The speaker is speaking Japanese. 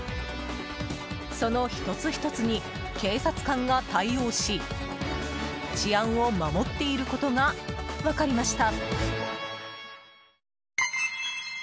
その１つ１つに警察官が対応し治安を守っていることが分かりました。